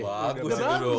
udah bagus itu loh